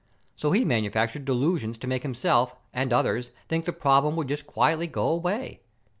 So he manufactured delusions to make himself and others think the problem would just quietly go away.